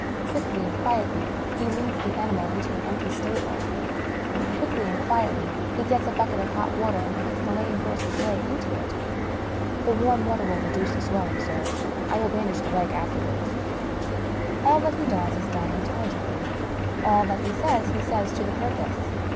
Quickly and quietly, he leads the ani mal into an empty stable; quickly and quietly, he gets a bucket of hot water, and puts the lame horse's leg into it. "The warm water will reduce the swelling, sir. I will bandage the leg afterwards." All that he does is done intelligently; all that he says, he says to the purpose.